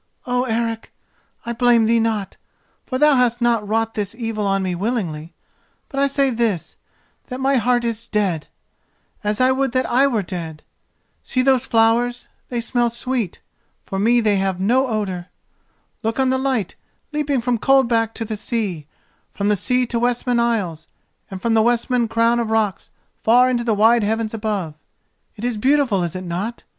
Oh, Eric, I blame thee not, for thou hast not wrought this evil on me willingly; but I say this: that my heart is dead, as I would that I were dead. See those flowers: they smell sweet—for me they have no odour. Look on the light leaping from Coldback to the sea, from the sea to Westman Isles, and from the Westman crown of rocks far into the wide heavens above. It is beautiful, is it not?